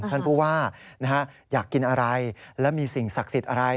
ท่านผู้ว่าอยากกินอะไรและมีสิ่งศักดิ์สิทธิ์อะไร